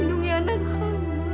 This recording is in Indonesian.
di rumah anak kamu